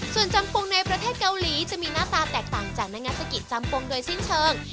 ส่วนจำปงในประเทศเกาหลีจะมีหน้าตาแตกต่างจากนักงัศกิจจำปงโดยสิ้นเชิง